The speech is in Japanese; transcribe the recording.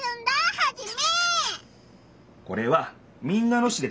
ハジメ！